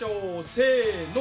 せの。